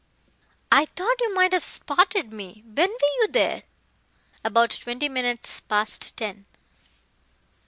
"I thought you might have spotted me. When were you there?" "About twenty minutes past ten."